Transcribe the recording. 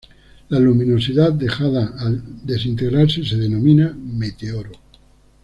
La luminosidad dejada al desintegrarse se denomina meteoro.